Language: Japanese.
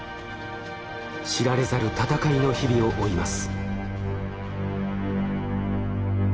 知られざる闘いの日々を追います。